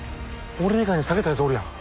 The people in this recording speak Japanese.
俺以外に下げたやつおるやん。